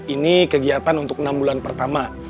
ini kegiatan untuk enam bulan pertama